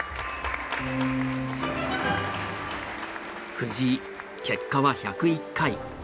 藤井結果は１０１回。